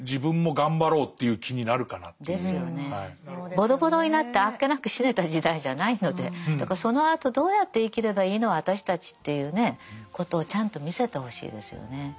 ボロボロになってあっけなく死ねた時代じゃないのでそのあとどうやって生きればいいの私たちっていうねことをちゃんと見せてほしいですよね。